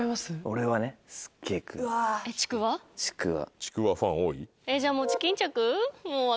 ちくわファン多い？